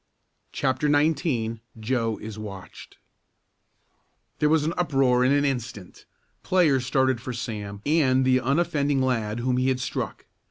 CHAPTER XIX JOE IS WATCHED There was an uproar in an instant. Players started for Sam and the unoffending lad whom he had struck.